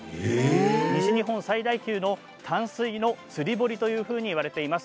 西日本最大級の淡水の釣堀といわれています。